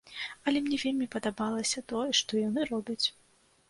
Але мне вельмі падабалася тое, што яны робяць.